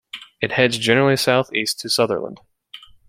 It heads generally south-east to Sutherland.